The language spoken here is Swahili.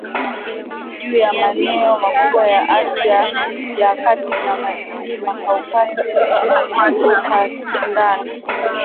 juu ya maneo makubwa ya Asia ya Kati na milima Kaukasus ukashindana